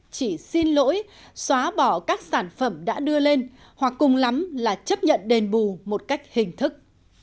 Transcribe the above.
chỉ xin lỗi xóa bỏ các sản phẩm đã đưa lên hoặc cùng lắm là chấp nhận đền bù một cách hình thức